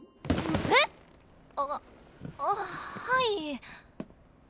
えっ⁉あっあっはい。